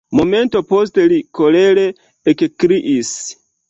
Momenton poste li kolere ekkriis: